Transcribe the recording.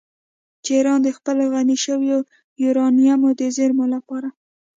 چې ایران د خپلو غني شویو یورانیمو د زیرمو لپاره